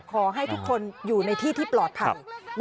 ขอให้ทุกคนอยู่ในที่ที่ปลอดภัย